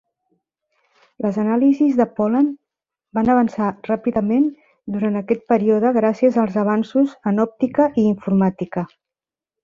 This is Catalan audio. Les anàlisis de pol·len van avançar ràpidament durant aquest període gràcies als avanços en òptica i informàtica.